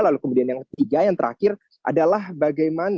lalu kemudian yang ketiga yang terakhir adalah bagaimana peningkatan kerjasama parlemen